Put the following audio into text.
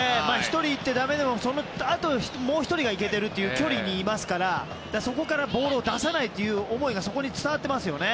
１人行ってだめでももう１人が行ける距離にいますからそこからボールを出さないという思いが伝わっていますね。